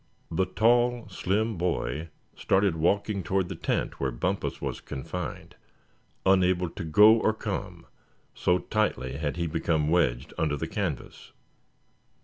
The tall, slim boy started walking toward the tent where Bumpus was confined, unable to go or come, so tightly had he become wedged under the canvas.